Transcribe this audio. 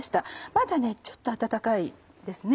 まだちょっと温かいですね。